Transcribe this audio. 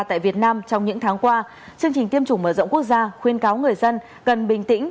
tại việt nam trong những tháng qua chương trình tiêm chủng mở rộng quốc gia khuyên cáo người dân cần bình tĩnh